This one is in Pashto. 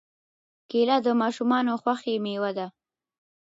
کېله د ماشومانو خوښې مېوه ده.